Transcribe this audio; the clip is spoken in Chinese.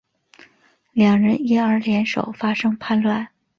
两人因而联手发动叛乱。